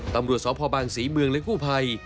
ตำรวจสพบางศรีเมืองและกู้ภัย